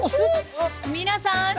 皆さん！